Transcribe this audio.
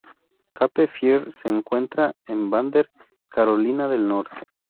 Cape Fear se encuentra en Vander, Carolina del Norte.